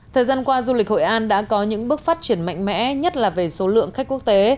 thời gian qua du lịch hội an đã có những bước phát triển mạnh mẽ nhất là về số lượng khách quốc tế